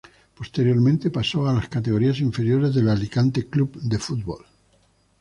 Posteriormente pasó a las categorías inferiores del Alicante Club de Fútbol.